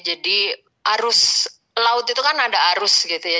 jadi arus laut itu kan ada arus gitu ya